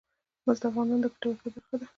مس د افغانانو د ګټورتیا برخه ده.